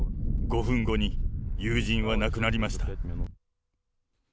５分後に友人は亡くなりました。